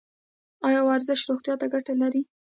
ایا ورزش روغتیا ته ګټه لري؟